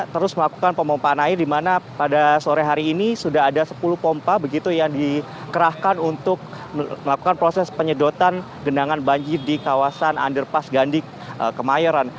terus melakukan pemompaan air di mana pada sore hari ini sudah ada sepuluh pompa begitu yang dikerahkan untuk melakukan proses penyedotan genangan banjir di kawasan underpass gandhik kemayoran